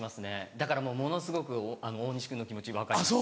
だからものすごく大西君の気持ち分かります。